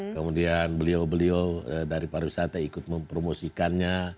kemudian beliau beliau dari pariwisata ikut mempromosikannya